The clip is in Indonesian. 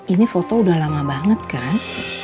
ini foto udah lama banget kan